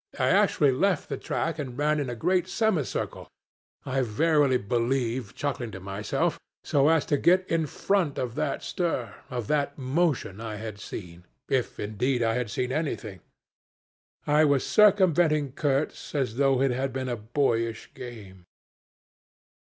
I actually left the track and ran in a wide semicircle (I verily believe chuckling to myself) so as to get in front of that stir, of that motion I had seen if indeed I had seen anything. I was circumventing Kurtz as though it had been a boyish game.